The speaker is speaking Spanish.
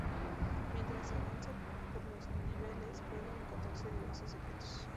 Mientras se avanza por los niveles, pueden encontrarse diversos secretos.